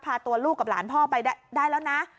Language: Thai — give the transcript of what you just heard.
พาตัวลูกกับหลานพ่อไปได้แล้วนะ